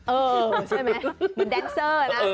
เออใช่ไหม